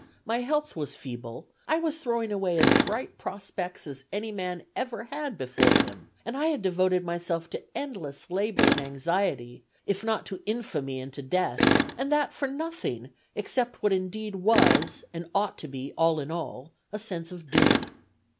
My health was feeble. I was throwing away as bright prospects as any man ever had before him, and I had devoted myself to endless labor and anxiety, if not to infamy and to death, and that for nothing, except what indeed was and ought to be all in all, a sense of duty.